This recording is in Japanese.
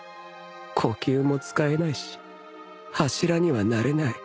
呼吸も使えないし柱にはなれない